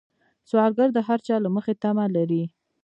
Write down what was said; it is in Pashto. سوالګر د هر چا له مخې تمه لري